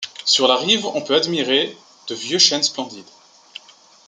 Sur la rive on peut admirer de vieux chênes splendides.